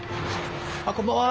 あっこんばんは。